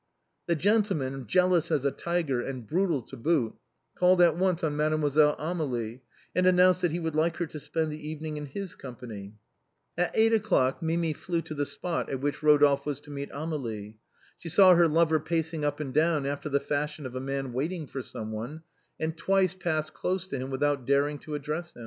The gentleman, jealous as a tiger and brutal to boot, called at once on Mademoiselle Amélie, and announced that he would like her to spend the evening in his company. At eight o'clock ]\Iimi flew to the spot at which Eodolphe was to meet Amélie. She saw her lover pacing up and down after the fashion of a man waiting for some one, and twice passed close to him without daring to address him.